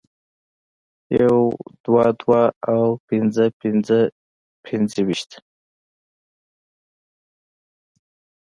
يو دوه دوه او پنځه پنځه پنځویشت